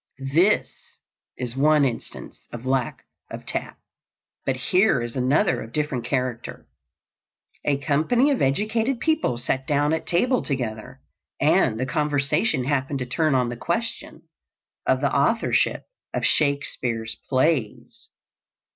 This is one instance of lack of tact, but here is another of different character: A company of educated people sat down at table together, and the conversation happened to turn on the question of the authorship of Shakespeare's plays.